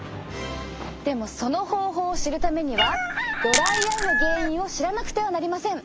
でもその方法を知るためにはドライアイの原因を知らなくてはなりません。